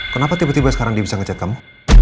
kenapa tiba tiba sekarang dia bisa ngecet kamu